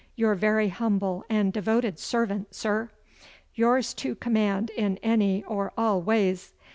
Your very humble and devoted servant, sir! Yours to command in any or all ways.